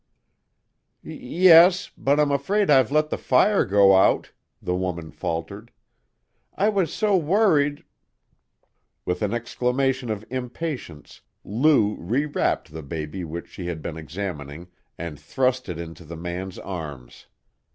"Y yes, but I'm afraid I've let the fire go out," the woman faltered. "I was so worried " With an exclamation of impatience Lou rewrapped the baby which she had been examining and thrust it into the man's arms.